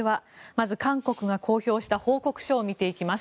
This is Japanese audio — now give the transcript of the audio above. まず、韓国が公表した報告書を見ていきます。